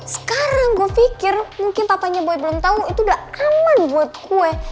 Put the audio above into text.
sekarang gue pikir mungkin papanya boy belum tahu itu udah aman buat gue